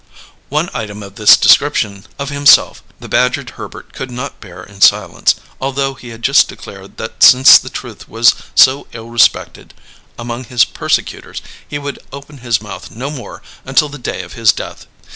One item of this description of himself the badgered Herbert could not bear in silence, although he had just declared that since the truth was so ill respected among his persecutors he would open his mouth no more until the day of his death.